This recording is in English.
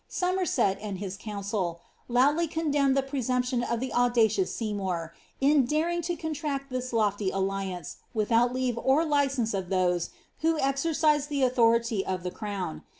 Somerset, ind his council, loudly condemned the presumption of the audacious Sev mour, in daring to contract this lofty alliance, without leave or license of those who exercised the authority of the crown.